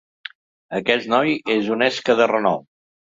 Aquest noi és una esca de renou.